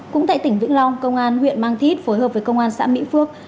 cũng tại tỉnh vĩnh long công an huyện mang thít phối hợp với công an xã mỹ phước